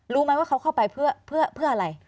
รู้ไหมว่าเขาเข้าไปเพื่ออะไร